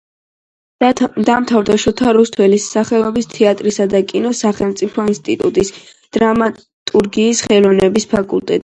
დაამთავრა შოთა რუსთაველის სახელობის თეატრისა და კინოს სახელმწიფო ინსტიტუტი, დრამატურგის ხელოვნების ფაკულტეტი.